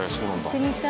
行ってみたい。